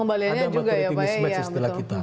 ada maturity mismatch di setelah kita